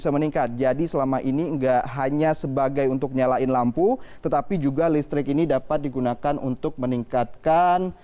bisa meningkat jadi selama ini enggak hanya sebagai untuk nyalain lampu tetapi juga listrik ini dapat digunakan untuk meningkatkan